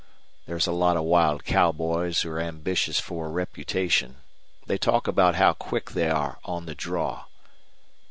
There's a lot of wild cowboys who're ambitious for a reputation. They talk about how quick they are on the draw.